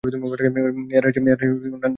এর আছে নানা ভেষজ গুণ।